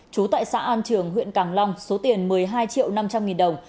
trú tại xã an trường huyện càng long số tiền một mươi hai triệu năm trăm linh nghìn đồng